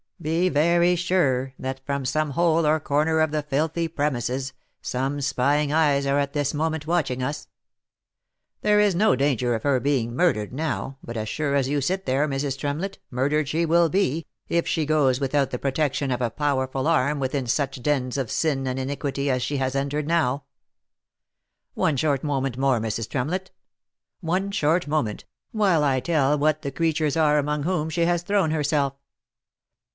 Be very sure that from some hole or corner of the filthy premises, some spying eyes are at this moment watching us. There is no danger of her being murdered now, but as sure as you sit there, Mrs. Tremlett, murdered she will be, if she goes without the protection of a powerful arm within such dens of sin and iniquity as she has entered now. One short moment more, Mrs. Tremlett — one short moment, while I tell what the creatures are among whom she has thrown herself.